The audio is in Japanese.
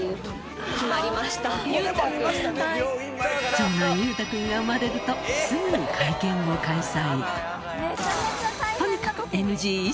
長男・裕太君が生まれるとすぐに会見を開催